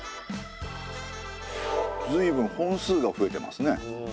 随分本数が増えてますね。